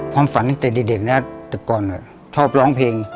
ความฝันตั้งแต่เด็กนะแต่ก่อนชอบร้องเพลง